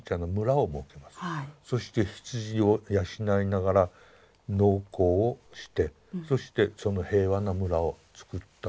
そして羊を養いながら農耕をしてそしてその平和な村をつくったのがウルフィラという。